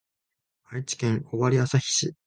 愛知県尾張旭市